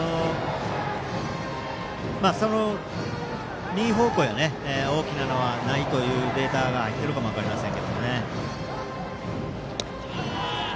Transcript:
その方向への大きな球はないというデータがいっているかもしれません。